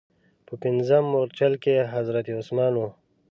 په پنځم مورچل کې حضرت عثمان و.